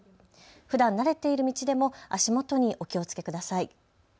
ふだん慣れている道でも足元にお気をつけください。